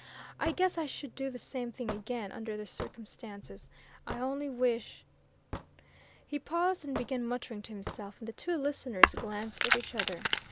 I guess I should do the same thing again, under the circumstances. I only wish " He paused and began muttering to himself, and the two listeners glanced at each other.